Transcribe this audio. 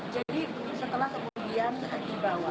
jadi setelah kemudian dibawa